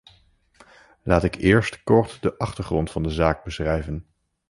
Laat ik eerst kort de achtergrond van de zaak beschrijven.